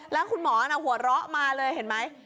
แล้วคุณหมอน่ะหัวเราะมาเลยเห็นไหม